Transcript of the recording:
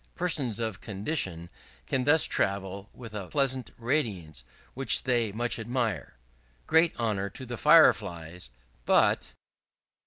Persons of condition can thus travel with a pleasant radiance, which they much admire. Great honour to the Fire flies! But